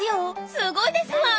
すごいですワン！